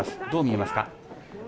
どう見えますか。